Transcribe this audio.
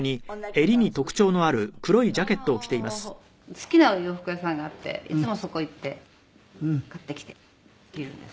好きなお洋服屋さんがあっていつもそこ行って買ってきて着るんです。